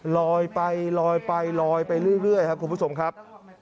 ลอยไปลอยไปลอยไปเรื่อยครับคุณผู้ชมครับ